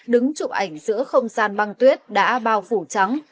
đứng chụp ảnh giữa không gian băng tuyết đã bao phủ trắng